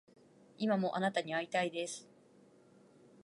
今もあなたに逢いたいです